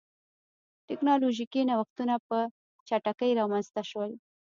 ټکنالوژیکي نوښتونه په چټکۍ رامنځته شول.